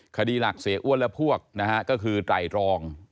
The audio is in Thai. คดีหลักเสียอ้วนและพวกนะฮะก็คือไตรรอง